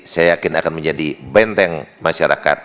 saya yakin akan menjadi benteng masyarakat